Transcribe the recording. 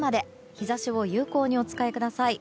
日差しを有効にお使いください。